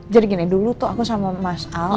gini dulu tuh aku sama mas al